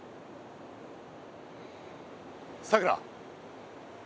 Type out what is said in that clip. さくら。